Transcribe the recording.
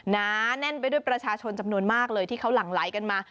นาแน่นไปด้วยประชาชนจำนวนมากเลยที่เขาหลั่งไหลกันมา